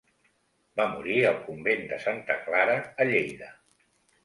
Va morir al convent de Santa Clara a Lleida.